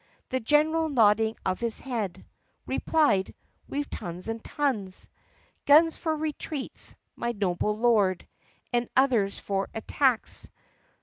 The general, nodding of his head, Replied, "We 've tons and tons — Guns for retreats, my noble Lord, And others for attacks.